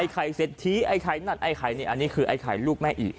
ไข่เศรษฐีไอ้ไข่นั่นไอ้ไข่นี่อันนี้คือไอ้ไข่ลูกแม่อิ